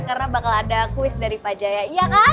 karena bakal ada kuis dari pak jaya iya kan